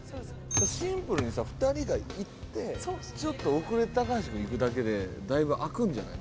シンプルにさ２人がいってちょっと遅れて高橋くんいくだけでだいぶ空くんじゃない？